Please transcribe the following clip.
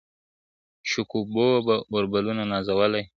شګوفو به اوربلونه نازولای ,